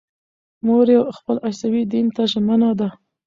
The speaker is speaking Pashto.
مور یې خپل عیسوي دین ته ژمنه ده.